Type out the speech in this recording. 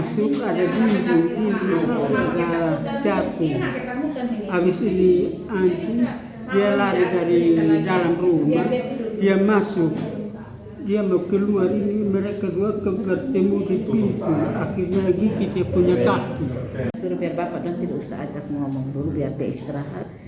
suruh biar bapak dan ibu ustaz ajak mengomong dulu biar diistirahat